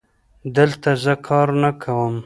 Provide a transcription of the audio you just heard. دلته زه کار نه کوم